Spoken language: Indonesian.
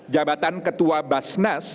jabatan ketua basnas